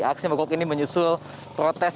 aksi mogok ini menyusul protes